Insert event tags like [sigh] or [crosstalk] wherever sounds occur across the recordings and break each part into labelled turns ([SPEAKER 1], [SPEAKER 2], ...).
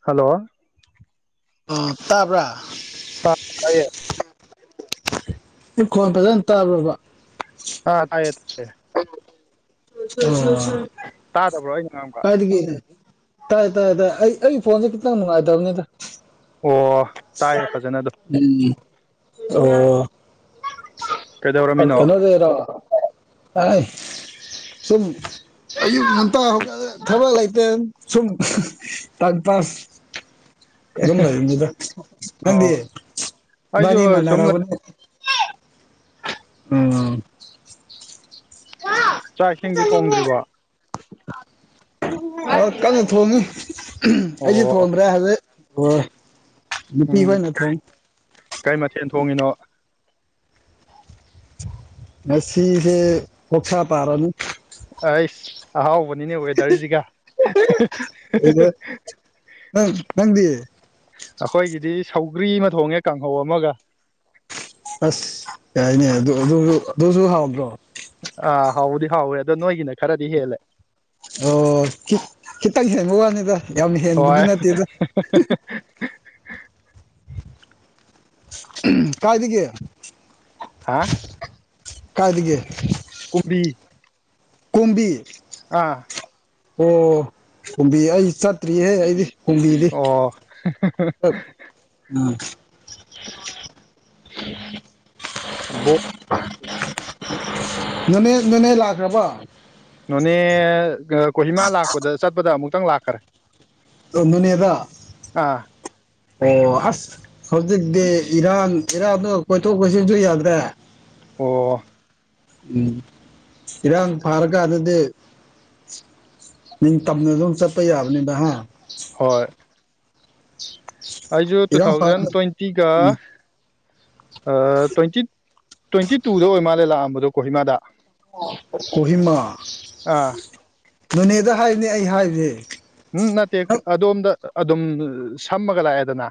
[SPEAKER 1] Hello
[SPEAKER 2] ꯑ ꯇꯥꯕ꯭ꯔꯥ
[SPEAKER 1] ꯇ ꯇꯥꯏꯌꯦ
[SPEAKER 2] ꯏꯈꯣꯟ ꯐꯖꯅ ꯇꯥꯕ꯭ꯔꯣꯕ
[SPEAKER 1] ꯑꯥ ꯇꯥꯏꯌꯦ ꯇꯥꯏꯌꯦ
[SPEAKER 2] [unintelligible]
[SPEAKER 1] ꯇꯥꯗꯕ꯭ꯔꯣ ꯑꯩꯅ ꯉꯥꯡꯕ
[SPEAKER 2] [unintelligible] ꯇꯥꯏ ꯇꯥꯏ ꯇꯥꯏ ꯑꯩ ꯑꯩꯒꯤ ꯐꯣꯟꯁꯦ ꯈꯤꯇꯪ ꯅꯨꯡꯉꯥꯏꯇꯕꯅꯤꯗ
[SPEAKER 1] ꯑꯣ ꯇꯥꯏꯌꯦ ꯐꯖꯅ ꯑꯗꯨꯝ
[SPEAKER 2] ꯎꯝ ꯑꯣ
[SPEAKER 1] ꯀꯩꯗꯧꯔꯝꯃꯤꯅꯣ
[SPEAKER 2] ꯀꯩꯅꯣꯗꯩꯩꯔ ꯑꯥꯢ ꯁꯨꯝ ꯑꯌꯨꯛ ꯉꯟꯇ ꯍꯧꯒꯠꯂꯦ ꯊꯕꯛ ꯂꯩꯇ ꯁꯨꯝ ꯇꯥꯝ ꯄꯥꯁ ꯑꯗꯨꯝ ꯂꯩꯕꯅꯤꯗ
[SPEAKER 1] ꯑꯣ
[SPEAKER 2] ꯅꯪꯗꯤ
[SPEAKER 1] ꯑꯩꯁꯨ
[SPEAKER 2] ꯏꯕꯥꯅꯤ
[SPEAKER 1] ꯁꯨꯝ ꯂꯩ꯫
[SPEAKER 2] ꯃꯥꯟꯅꯔꯕꯅꯦ ꯎꯝ [inaudible]
[SPEAKER 1] ꯆꯥꯛ ꯏꯁꯤꯡꯗꯤ ꯊꯣꯡꯗ꯭ꯔꯤꯕꯣ
[SPEAKER 2] ꯑ ꯀꯟꯅ ꯊꯣꯟꯉꯤ ꯑꯩꯗꯤ
[SPEAKER 1] ꯑꯣ
[SPEAKER 2] ꯊꯣꯟꯕꯗꯔꯦ ꯍꯧꯖꯤꯛ ꯅꯨꯄꯤ
[SPEAKER 1] ꯎꯝ
[SPEAKER 2] ꯑꯣꯏ ꯅ ꯊꯣꯏ
[SPEAKER 1] ꯀꯩ ꯃꯊꯦꯜ ꯊꯣꯡꯉꯤꯅꯣ
[SPEAKER 2] ꯉꯁꯤꯗꯤ ꯑꯣꯛꯁ ꯇꯔꯅꯤ
[SPEAKER 1] ꯑꯩꯁ ꯑꯍꯥꯎꯕꯅꯤꯅꯦ ꯋꯦꯗꯔꯁꯤꯒ
[SPEAKER 2] ꯑꯩꯗ ꯅꯪ ꯅꯪꯗꯤ
[SPEAKER 1] ꯑꯩꯈꯣꯏꯒꯤꯗꯤ ꯁꯧꯒ꯭ꯔꯤ ꯑꯃ ꯊꯣꯡꯉꯦ ꯀꯥꯡꯍꯧ ꯑꯃꯒ
[SPEAKER 2] ꯑꯁ ꯌꯥꯥꯏꯅꯦ ꯑꯗꯨꯁꯨ ꯍꯥꯎꯗ꯭ꯔꯣ
[SPEAKER 1] ꯑꯥ ꯍꯥꯎꯗꯤ ꯍꯥꯎꯋꯦ ꯑꯗꯣ ꯅꯣꯏꯒꯤꯅ ꯈꯔꯗꯤ ꯍꯦꯜꯂꯦ
[SPEAKER 2] ꯑꯣ ꯈꯤꯠ ꯈꯤꯇꯪ ꯍꯦꯟꯕ ꯋꯥꯅꯤꯗ ꯌꯥꯝ ꯍꯦꯟꯕꯗꯤ
[SPEAKER 1] ꯍꯣꯏ
[SPEAKER 2] ꯅꯠꯇꯦꯗ
[SPEAKER 1] [unintelligible]
[SPEAKER 2] ꯀꯥꯏꯗꯒꯤ
[SPEAKER 1] ꯍꯥ
[SPEAKER 2] ꯀꯥꯏꯗꯒꯤ
[SPEAKER 1] ꯀꯨꯝꯕꯤ
[SPEAKER 2] ꯀꯨꯝꯕꯤ
[SPEAKER 1] ꯑꯥ
[SPEAKER 2] ꯑꯣ ꯀꯨꯝꯕꯤ ꯑꯩ ꯆꯠꯇ꯭ꯔꯤꯍꯦ ꯑꯩꯗꯤ ꯀꯨꯝꯕꯤꯗꯤ
[SPEAKER 1] ꯑꯣ
[SPEAKER 2] ꯑꯝ
[SPEAKER 1] ꯕꯣꯛ
[SPEAKER 2] ꯅꯅꯦ ꯅꯅꯦ ꯂꯥꯛꯈ꯭ꯔꯕꯣ
[SPEAKER 1] ꯅꯣꯅꯦ ꯀꯣꯍꯤꯃꯥ ꯂꯥꯛꯄꯗ ꯆꯠꯄꯗ ꯑꯃꯨꯛꯇꯪ ꯂꯥꯛꯈꯔꯦ
[SPEAKER 2] ꯅꯣꯅꯦꯗ
[SPEAKER 1] ꯑꯥ
[SPEAKER 2] ꯑꯣ ꯑꯁ ꯍꯧꯖꯤꯛꯇꯤ ꯏꯔꯥꯟ ꯏꯔꯥꯟꯗ ꯀꯣꯏꯊꯣꯛ ꯀꯣꯏꯁꯤꯟꯁꯨ ꯌꯥꯗ꯭ꯔꯦ꯫
[SPEAKER 1] ꯑꯣ
[SPEAKER 2] ꯎꯝ ꯏꯔꯥꯡ ꯐꯥꯔ ꯀꯥꯟꯗꯗꯤ ꯅꯤꯡ ꯇꯝꯅ ꯑꯗꯨꯝ ꯆꯠꯄ ꯌꯥꯕꯅꯤꯕ ꯍꯥ
[SPEAKER 1] ꯍꯣꯏ ꯑꯩꯁꯨ ꯇꯨ
[SPEAKER 2] ꯏꯔꯥꯡ ꯐꯥ
[SPEAKER 1] ꯊꯥꯎꯖꯟ ꯇ꯭ꯋꯦꯟꯇꯤꯒ
[SPEAKER 2] ꯎꯝ
[SPEAKER 1] ꯑꯥ ꯇ꯭ꯋꯦꯟꯇꯤ ꯇ꯭ꯋꯦꯟꯇꯤ ꯇꯨꯗ ꯑꯣꯏ ꯃꯥꯜꯂꯦ ꯂꯥꯛꯑꯝꯕꯗꯣ ꯀꯣꯍꯤꯃꯥꯗ
[SPEAKER 2] ꯀꯣꯍꯤꯃꯥ
[SPEAKER 1] ꯑꯥ
[SPEAKER 2] ꯅꯣꯅꯦꯗ ꯍꯥꯏꯔꯤꯅꯦ ꯑꯩ ꯍꯥꯏꯔꯤꯁꯦ
[SPEAKER 1] ꯎꯝ ꯅꯠꯇꯦ ꯑꯗꯣꯝꯗ ꯑꯗꯨꯝ ꯁꯝꯃꯒ ꯂꯥꯛꯑꯦꯗꯅ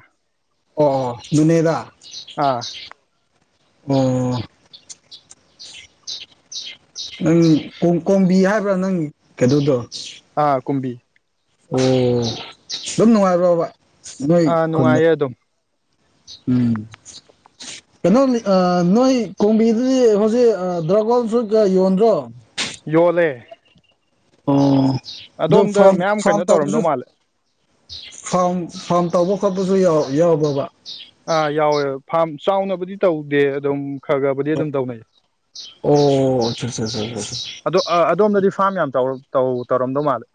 [SPEAKER 2] ꯑꯣ ꯑꯣ ꯅꯣꯅꯦꯗ
[SPEAKER 1] ꯑꯥ
[SPEAKER 2] ꯑꯣ ꯅꯪ ꯀꯣꯝ ꯀꯣꯝꯕꯤ ꯍꯥꯏꯕ꯭ꯔꯥ ꯅꯪ ꯀꯩꯅꯣꯗꯣ
[SPEAKER 1] ꯑꯥ ꯀꯨꯝꯕꯤ
[SPEAKER 2] ꯑꯣ ꯑꯗꯨꯝ ꯅꯨꯡꯉꯥꯏꯔꯣꯕ ꯅꯣꯏ
[SPEAKER 1] ꯑꯥ
[SPEAKER 2] ꯈꯨꯟꯗꯣ
[SPEAKER 1] ꯅꯨꯡꯉꯥꯏꯌꯦ ꯑꯗꯨꯝ
[SPEAKER 2] ꯎꯝ ꯀꯩꯅꯣ ꯅꯣꯏ ꯀꯣꯝꯕꯤꯗꯨꯗꯤ ꯍꯧꯖꯤꯛ ꯗ꯭ꯔꯥꯒꯣꯟꯁꯨ ꯌꯣꯟꯗ꯭ꯔꯣ
[SPEAKER 1] ꯌꯣꯜꯂꯦ
[SPEAKER 2] ꯑꯣ ꯑꯗꯨ
[SPEAKER 1] ꯑꯗꯣꯝꯗ
[SPEAKER 2] ꯐꯥꯝ
[SPEAKER 1] ꯃꯌꯥꯝ
[SPEAKER 2] ꯐꯥꯝ
[SPEAKER 1] ꯀꯩꯅꯣ
[SPEAKER 2] ꯇꯧꯕꯁꯨ
[SPEAKER 1] ꯇꯧꯔꯝꯗꯧ ꯃꯥꯜꯂꯦ
[SPEAKER 2] ꯐꯥꯝ ꯐꯥꯝ ꯇꯧꯕ ꯈꯣꯠꯄꯁꯨ ꯌꯥꯎꯕꯔꯕ
[SPEAKER 1] ꯑꯥ ꯌꯥꯎꯋꯦ ꯐꯥꯝ ꯆꯥꯎꯅꯕꯨꯗꯤ ꯇꯧꯗꯦ ꯑꯗꯨꯝ ꯈꯔ ꯈꯔꯕꯨꯗꯤ ꯑꯗꯨꯝ ꯇꯧꯅꯩ
[SPEAKER 2] ꯑꯣ ꯆꯥ ꯆꯥ ꯆꯥ ꯆꯥ
[SPEAKER 1] ꯑꯗꯣ ꯑꯗꯣꯝꯗꯗꯤ ꯐꯥꯝ ꯌꯥꯝ ꯆꯥꯎ ꯇꯧ ꯇꯧꯔꯝꯗꯧ ꯃꯥꯜꯂꯦ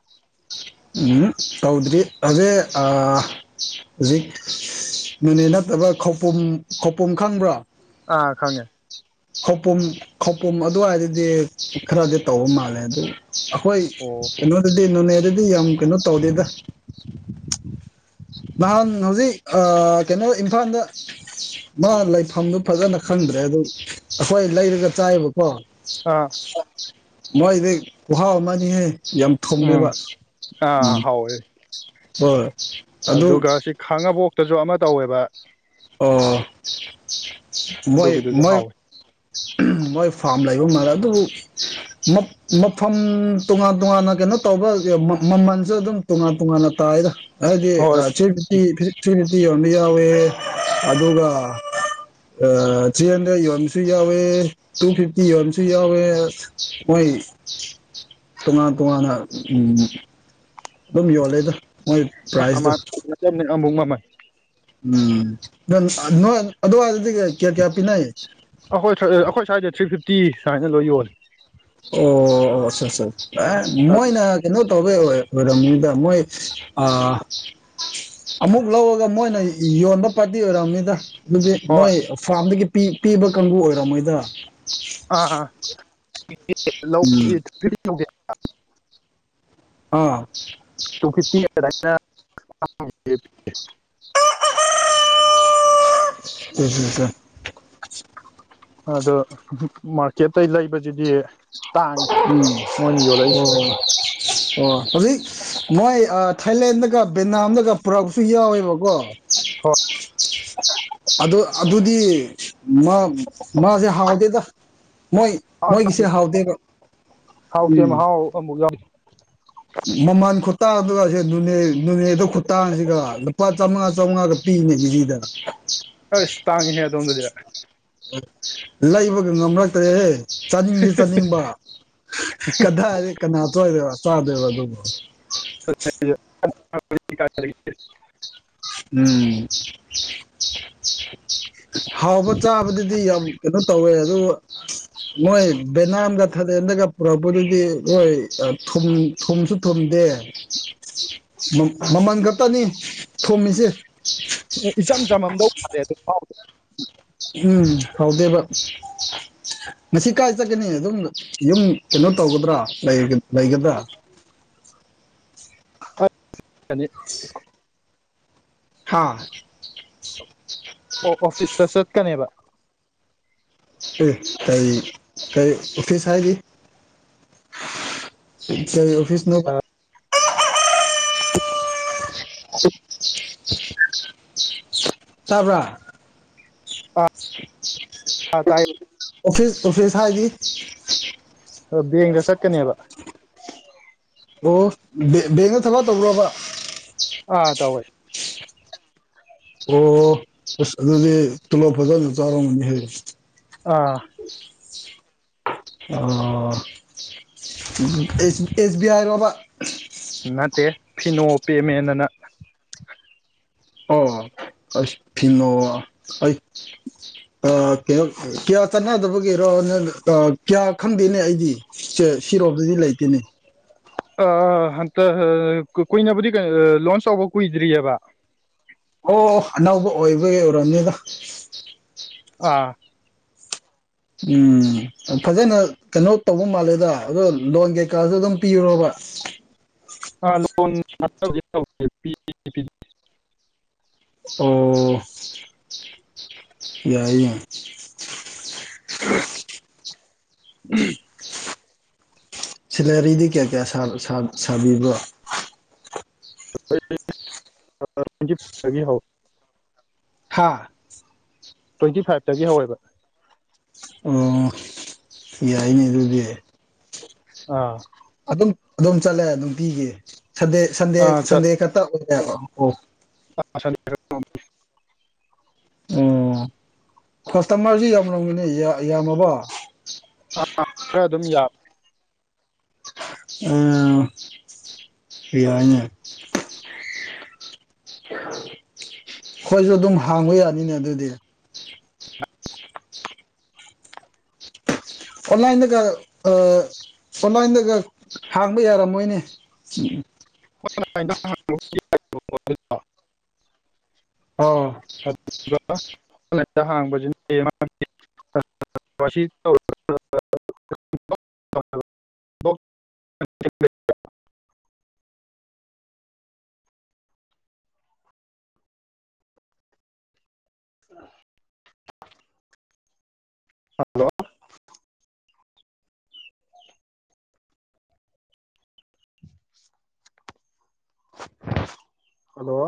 [SPEAKER 2] ꯎꯝ ꯇꯧꯗ꯭ꯔꯤ ꯑꯁꯦ ꯑꯥ ꯍꯧꯖꯤꯛ ꯅꯣꯅꯦ ꯅꯠꯇꯕ ꯈꯧꯄꯨꯝ ꯈꯧꯄꯨꯝ ꯈꯪꯕ꯭ꯔꯥ
[SPEAKER 1] ꯑ ꯈꯪꯉꯦ
[SPEAKER 2] ꯈꯧꯄꯨꯝ ꯈꯧꯄꯨꯝ ꯑꯗꯨꯋꯥꯏꯗꯗꯤ ꯈꯔꯗꯤ ꯇꯧꯕ ꯃꯥꯜꯂꯦ ꯑꯗꯨ ꯑꯩꯈꯣꯏ
[SPEAKER 1] ꯑꯣ
[SPEAKER 2] ꯀꯩꯅꯣꯗꯗꯤ ꯅꯣꯅꯦꯗꯗꯤ ꯌꯥꯝ ꯀꯩꯅꯣ ꯇꯧꯗꯦꯗ ꯅꯍꯥꯟ ꯍꯧꯖꯤꯛ ꯀꯩꯅꯣ ꯏꯝꯐꯥꯜꯗ ꯃꯥ ꯂꯩꯐꯝꯗꯨ ꯐꯖꯅ ꯈꯪꯗ꯭ꯔꯦ ꯑꯗꯨ ꯑꯩꯈꯣꯏ ꯂꯩꯔꯒ ꯆꯥꯏꯕ
[SPEAKER 1] ꯑꯥ
[SPEAKER 2] ꯃꯣꯏꯗꯤ ꯀꯍꯥꯎ ꯑꯃꯅꯤꯍꯦ ꯌꯥꯝ
[SPEAKER 1] ꯎꯝ
[SPEAKER 2] ꯊꯨꯝꯃꯦꯕ
[SPEAKER 1] ꯑꯥ
[SPEAKER 2] ꯎꯝ
[SPEAKER 1] ꯍꯥꯎꯋꯦ
[SPEAKER 2] ꯍꯣꯏ ꯑꯗꯨ
[SPEAKER 1] ꯑꯗꯨꯒ ꯁꯤ ꯈꯥꯡꯉꯕꯣꯛꯇꯁꯨ ꯑꯃ ꯇꯧꯋꯦꯕ
[SPEAKER 2] ꯑꯣ ꯃꯣꯏ
[SPEAKER 1] ꯑꯗꯨꯒꯤꯗꯨꯁꯨ
[SPEAKER 2] ꯃꯣꯏ
[SPEAKER 1] ꯍꯥꯎꯋꯦ
[SPEAKER 2] ꯃꯣꯏ ꯐꯥꯝ ꯂꯩꯕ ꯃꯥꯔꯦ ꯑꯗꯨꯕꯨ ꯃꯐꯝ ꯇꯣꯉꯥꯟ ꯇꯣꯉꯥꯟꯅ ꯀꯩꯅꯣ ꯇꯧꯕ ꯃꯃꯜꯁꯨ ꯑꯗꯨꯝ ꯇꯣꯉꯥꯟ ꯇꯣꯉꯥꯟꯅ ꯇꯥꯏꯔ ꯍꯥꯏꯕꯗꯤ
[SPEAKER 1] ꯍꯣꯏ
[SPEAKER 2] ꯊ꯭ꯔꯤ ꯐꯤꯞꯇꯤ ꯊ꯭ꯔꯤ ꯐꯤꯐꯇꯤ ꯌꯣꯟꯕ ꯌꯥꯎꯋꯦ ꯑꯗꯨꯒ ꯊ꯭ꯔꯤ ꯍꯟꯗ꯭ꯔꯦꯗ ꯌꯣꯟꯕꯁꯨ ꯌꯥꯎꯋꯦ ꯇꯨ ꯐꯤꯐꯇꯤ ꯌꯣꯟꯕꯁꯨ ꯌꯥꯎꯋꯦ ꯃꯣꯏ ꯇꯣꯉꯥꯟ ꯇꯣꯉꯥꯟꯅ ꯎꯝ ꯗꯨꯝ ꯌꯣꯜꯂꯦꯗ ꯃꯣꯏ ꯄ꯭ꯔꯥꯏꯖꯇꯣ
[SPEAKER 1] [unintelligible] ꯑꯃꯨꯛ ꯃꯃꯜ
[SPEAKER 2] ꯎꯝ ꯅꯣꯏ ꯑꯗꯨꯋꯥꯏꯗꯗꯤ ꯀꯌꯥ ꯀꯌꯥ ꯄꯤꯅꯩ
[SPEAKER 1] ꯑꯩꯈꯣꯏ ꯑꯈꯣꯏ ꯁꯋ꯭ꯥꯏꯗ ꯊ꯭ꯔꯤ ꯐꯤꯐꯇꯤ ꯁꯥꯏꯅ ꯂꯣꯏ ꯌꯣꯜꯂꯦ
[SPEAKER 2] ꯑꯣ [unintelligible] ꯑꯥ
[SPEAKER 1] ꯑꯗꯨ
[SPEAKER 2] ꯃꯣꯏꯅ ꯀꯩꯅꯣ ꯇꯣꯕꯩ ꯑꯣꯏꯔꯝꯅꯤꯗ ꯃꯣꯏ ꯑꯥ ꯑꯃꯨꯛ ꯂꯧꯔꯒ ꯃꯣꯏꯅ ꯌꯣꯟꯕ ꯐꯗꯤ ꯑꯣꯏꯔꯝꯅꯤꯗ ꯑꯗꯨꯗꯤ
[SPEAKER 1] ꯍꯣꯏ
[SPEAKER 2] ꯃꯣꯏ ꯐꯥꯔꯝꯗꯒꯤ ꯄꯤꯕ ꯀꯥꯡꯕꯨ ꯑꯣꯏꯔꯝ ꯃꯣꯏꯗ ꯎꯝ
[SPEAKER 1] ꯑꯥ [unintelligible]
[SPEAKER 2] ꯑꯥ
[SPEAKER 1] [unintelligible]
[SPEAKER 2] [unintelligible]
[SPEAKER 1] ꯑꯗꯣ ꯃꯥꯔꯀꯦꯇꯩ ꯂꯩꯕꯁꯤꯗꯤ ꯇꯥꯡꯉꯦ
[SPEAKER 2] ꯎꯝ
[SPEAKER 1] ꯃꯣꯏꯅ ꯌꯣꯜꯂꯛꯏꯁꯦ
[SPEAKER 2] ꯑꯣ ꯑꯣ ꯍꯧꯖꯤꯛ ꯃꯣꯏ ꯊꯥꯏꯂꯦꯟꯗꯒ ꯕꯦꯅꯥꯝꯗꯒ ꯄꯨꯔꯛꯁꯨ ꯌꯥꯎꯋꯦꯕꯀꯣ
[SPEAKER 1] [unintelligible]
[SPEAKER 2] ꯑꯗꯨ ꯑꯗꯨꯗꯤ ꯃꯥ ꯃꯥꯁꯦ ꯍꯥꯎꯗꯦꯗ ꯃꯣꯏ
[SPEAKER 1] ꯍꯣꯏ
[SPEAKER 2] ꯃꯣꯏꯒꯤꯁꯦ ꯍꯥꯎꯗꯦꯕ
[SPEAKER 1] ꯍꯥꯎꯇꯦ
[SPEAKER 2] ꯎꯝ
[SPEAKER 1] ꯃꯍꯥꯎ [unintelligible]
[SPEAKER 2] ꯃꯃꯜ ꯈꯨꯠꯇꯥꯡꯗꯨꯒ ꯅꯨꯅꯦꯗ ꯈꯨꯇꯥꯥꯡꯗꯨꯒ ꯂꯨꯄꯥ ꯆꯥꯃꯉꯥ ꯆꯥꯝꯃꯉꯥ ꯄꯤꯅꯦ ꯖꯤꯔꯤꯗ
[SPEAKER 1] ꯑꯁ ꯇꯥꯡꯉꯤꯍꯦ ꯑꯗꯣꯝꯗꯗꯤ
[SPEAKER 2] ꯂꯩꯕꯒ ꯉꯝꯂꯛꯇ꯭ꯔꯦꯍꯦ ꯆꯥꯅꯤꯡꯗꯤ ꯆꯥꯅꯤꯡꯕ ꯀꯗꯥꯏꯔ ꯀꯅꯥ ꯆꯣꯏꯗꯦꯕ ꯆꯥꯗꯣꯏꯕ ꯑꯗꯨꯕ
[SPEAKER 1] [unintelligible]
[SPEAKER 2] ꯎꯝ ꯍꯥꯎꯕ ꯆꯥꯕꯗꯨꯗꯤ ꯌꯥꯝ ꯀꯩꯅꯣ ꯇꯧꯋꯦ ꯑꯗꯨ ꯃꯣꯏ ꯕꯦꯅꯥꯝꯗ ꯊꯥꯗꯦꯟꯗꯒ ꯄꯨꯔꯛꯄꯗꯨꯗꯤ ꯍꯣꯏ ꯊꯨꯝ ꯊꯨꯝꯁꯨ ꯊꯨꯝꯗꯦ ꯃꯃꯜ ꯈꯛꯇꯅꯤ ꯊꯣꯝꯃꯤꯁꯦ
[SPEAKER 1] ꯏꯆꯝ ꯆꯝꯃꯝꯗꯧ ꯃꯂꯦ [unintelligible]
[SPEAKER 2] ꯎꯝ ꯍꯥꯎꯗꯦꯕ ꯉꯁꯤ ꯀꯥꯏ ꯆꯠꯀꯅꯤ ꯑꯗꯨꯝ ꯌꯨꯝ ꯀꯩꯅꯣ ꯇꯧꯒꯗ꯭ꯔꯥ ꯂꯩꯒꯗ꯭ꯔꯥ
[SPEAKER 1] [unintelligible]
[SPEAKER 2] [unintelligible] ꯍꯥꯥ
[SPEAKER 1] ꯑꯣ ꯑꯣꯐꯤꯁꯇ ꯆꯠꯀꯅꯦꯕ
[SPEAKER 2] [unintelligible] ꯑꯣꯐꯤꯁ ꯍꯥꯏꯗꯤ ꯀꯩ ꯑꯣꯐꯤꯁ ꯅꯣꯕ
[SPEAKER 1] [unintelligible]
[SPEAKER 2] ꯇꯥꯕ꯭ꯔꯥ [unintelligible]
[SPEAKER 1] ꯑ ꯇꯥꯏ
[SPEAKER 2] ꯑꯣꯐꯤꯁ ꯑꯣꯐꯤꯁ ꯍꯥꯏꯗꯤ
[SPEAKER 1] ꯕꯦꯡꯗ ꯆꯠꯀꯅꯤꯕ
[SPEAKER 2] ꯑꯣ ꯕꯦꯡ ꯕꯦꯡꯅ ꯊꯕꯛ ꯇꯧꯕ꯭ꯔꯣꯕ
[SPEAKER 1] ꯑꯥ ꯇꯧꯋꯦ
[SPEAKER 2] ꯑꯣ ꯑꯁ ꯑꯗꯨꯗꯤ ꯇꯣꯂꯣꯞ ꯐꯖꯟ ꯑꯗꯨꯝ ꯆꯥꯔꯝꯒꯅꯤ ꯍꯦ
[SPEAKER 1] ꯑꯥ
[SPEAKER 2] ꯑꯣ ꯑꯦꯁ ꯕꯤ ꯑꯥꯏ ꯔꯕ
[SPEAKER 1] ꯅꯠꯇꯦ ꯐꯤꯅꯣ ꯄꯦꯃꯦꯟ ꯑꯅ
[SPEAKER 2] ꯑ ꯑꯁ ꯐꯤꯅꯣ ꯑꯩ ꯑ ꯀꯩꯅꯣ ꯀꯌꯥ ꯆꯠꯅꯗꯕꯒꯤꯔꯣ ꯀꯌꯥ ꯈꯪꯗꯦꯅꯦ ꯑꯩꯗꯤ ꯁꯤꯔꯣꯝꯗꯗꯤ ꯂꯩꯇꯦꯅꯦ
[SPEAKER 1] ꯑ ꯍꯟꯇꯛ ꯀꯨꯏꯅꯕꯨꯗꯤ ꯀꯣ ꯂꯣꯟꯁ ꯇꯧꯕ ꯀꯨꯏꯗ꯭ꯔꯤꯑꯕ
[SPEAKER 2] ꯑꯣ ꯑꯣ ꯑꯅꯧꯕ ꯑꯣꯏꯕꯒꯤ ꯑꯣꯏꯔꯝꯅꯤꯗ
[SPEAKER 1] ꯑꯥ
[SPEAKER 2] ꯎꯝ ꯐꯖꯅ ꯀꯩꯅꯣ ꯇꯧꯕ ꯃꯥꯜꯂꯦꯗ ꯑꯗꯣ ꯂꯣꯟ ꯀꯩꯀꯥꯁꯨ ꯑꯗꯨꯝ ꯄꯤꯕ꯭ꯔꯣꯕ
[SPEAKER 1] ꯑꯥ ꯂꯣꯟ [unintelligible] [unintelligible]
[SPEAKER 2] ꯑꯣ ꯌꯥꯏ ꯌꯥꯏ
[SPEAKER 1] [unintelligible]
[SPEAKER 2] ꯁꯦꯂꯔꯤꯗꯤ ꯀꯌꯥ ꯀꯌꯥ ꯁꯥꯕꯤꯕ꯭ꯔꯣ
[SPEAKER 1] [unintelligible]
[SPEAKER 2] ꯍꯥꯥ
[SPEAKER 1] ꯇ꯭ꯋꯦꯟꯇꯤ ꯐꯥꯏꯚꯇꯒꯤ ꯍꯧꯋꯦꯕ
[SPEAKER 2] ꯑꯣ ꯌꯥꯏꯅꯦ ꯑꯗꯨꯗꯤ
[SPEAKER 1] ꯑꯥ
[SPEAKER 2] ꯑꯗꯨꯝ ꯑꯗꯨꯝ ꯆꯠꯂꯦ ꯅꯨꯡꯇꯤꯒꯤ ꯁꯟꯗꯦ ꯁꯟꯗꯦ
[SPEAKER 1] ꯑꯥ
[SPEAKER 2] ꯁꯟꯗꯦ ꯈꯛꯇ [unintelligible]
[SPEAKER 1] [unintelligible]
[SPEAKER 2] ꯑꯣ ꯀꯁꯇꯃꯔꯁꯤ ꯌꯥꯝꯔꯝꯒꯅꯤ ꯌꯥ ꯌꯥꯝꯃꯕꯣ
[SPEAKER 1] ꯑ ꯈꯔ ꯑꯗꯨꯝ ꯌꯥꯝ
[SPEAKER 2] ꯎꯝ ꯌꯥꯏꯅꯦ ꯍꯣꯏꯁꯨ ꯑꯗꯨꯝ ꯍꯥꯡꯕ ꯌꯥꯅꯤꯅꯦ ꯑꯗꯨꯗꯤ ꯑꯣꯟꯂꯥꯏꯟꯗꯒ ꯑ ꯑꯣꯟꯂꯥꯏꯟꯗꯒ ꯍꯥꯡꯕ ꯌꯥꯔꯝꯃꯣꯏꯅꯦ
[SPEAKER 1] [unintelligible]
[SPEAKER 2] ꯑꯧ
[SPEAKER 1] [unintelligible] ꯍꯜꯂꯣ [unintelligible] ꯍꯜꯂꯣ